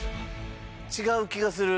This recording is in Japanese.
違う気がする。